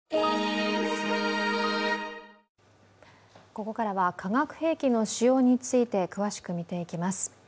ここからは化学兵器の使用について詳しく見ていきます。